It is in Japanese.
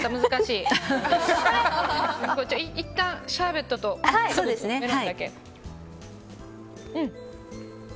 いったん、シャーベットとメロンだけ。